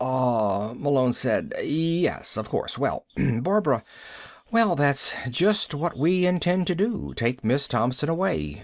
"Ah," Malone said. "Yes. Of course. Well, Barbara ... well, that's just what we intend to do. Take Miss Thompson away.